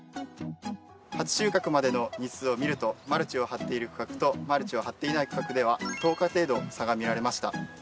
初収穫までの日数を見るとマルチを張っている区画とマルチを張っていない区画では１０日程度差が見られました。